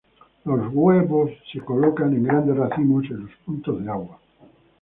Los huevos se colocan en grandes racimos en los puntos de agua.